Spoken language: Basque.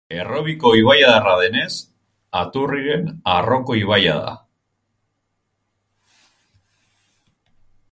Errobiko ibaiadarra denez, Aturriren arroko ibaia da.